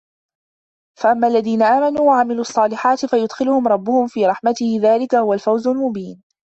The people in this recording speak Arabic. فَأَمَّا الَّذينَ آمَنوا وَعَمِلُوا الصّالِحاتِ فَيُدخِلُهُم رَبُّهُم في رَحمَتِهِ ذلِكَ هُوَ الفَوزُ المُبينُ